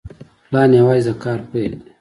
پلان یوازې د کار پیل دی